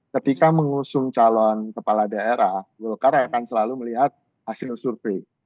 ketika mengusung calon kepala daerah golkar akan selalu melihat hasil survei